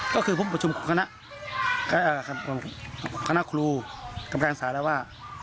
ก็คือพบประชุมของคณะครูกำลังสารแล้วว่า